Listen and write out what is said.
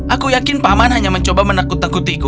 aku yakin paman hanya mencoba menakut takutiku